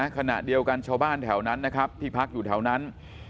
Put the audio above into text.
ขณะเดียวกันชาวบ้านแถวนั้นนะครับที่พักอยู่แถวนั้น